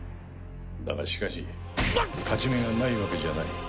だがしかし勝ち目がないわけじゃない。